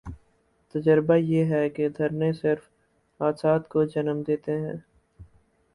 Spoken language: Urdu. تجربہ یہ ہے کہ دھرنے صرف حادثات کو جنم دیتے ہیں۔